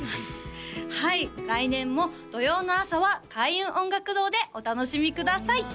はい来年も土曜の朝は開運音楽堂でお楽しみください